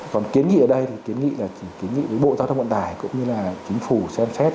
còn kiến nghị ở đây thì kiến nghị là chỉ kiến nghị với bộ giao thông vận tải cũng như là chính phủ xem xét